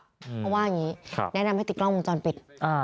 เพราะว่าอย่างนี้แนะนำให้ติดกล้องวงจรปิด